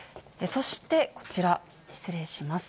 そしてこちら、失礼します。